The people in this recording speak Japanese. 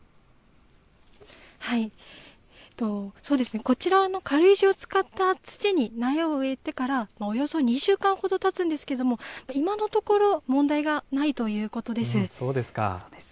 そうですね、こちらの軽石を使った土に苗を植えてから、およそ２週間ほどたつんですけれども、今のところ、問題がないということです。